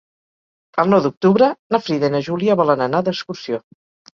El nou d'octubre na Frida i na Júlia volen anar d'excursió.